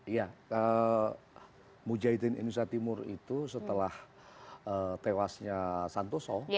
iya mujahidin indonesia timur itu setelah tewasnya santoso